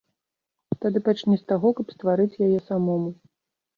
Тады пачні з таго, каб стварыць яе самому.